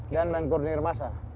dan mengkoordinir massa